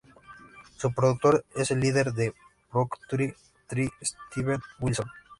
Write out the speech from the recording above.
Su productor es el líder de Porcupine Tree, Steven Wilson.